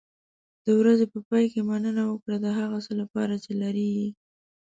د ورځې په پای کې مننه وکړه د هغه څه لپاره چې لرې.